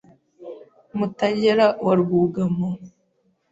Mutagera wa Rwugamo